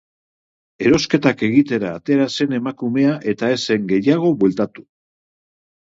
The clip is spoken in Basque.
Erosketak egitera atera zen emakumea eta ez zen gehiago bueltatu.